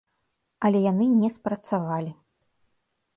Але яны не спрацавалі.